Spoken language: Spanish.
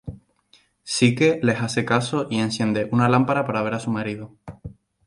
Psique les hace caso y enciende una lámpara para ver a su marido.